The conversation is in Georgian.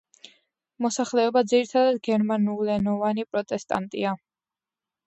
მოსახლეობა ძირითადად გერმანულენოვანი პროტესტანტია.